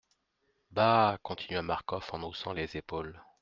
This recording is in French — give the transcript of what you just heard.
Bah ! continua Marcof en haussant les épaules.